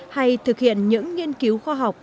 hay thực hiện những nghiên cứu khoa học